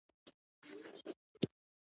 جګړه د سولې ضد ده